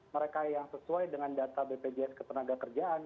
mereka yang sesuai dengan data bpjs ketenagakerjaan